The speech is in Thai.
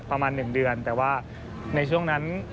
ประมาณ๑เดือนแต่ว่าในช่วงนั้น